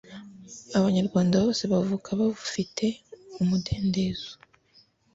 abanyarwanda bose bavuka bafite umudendezo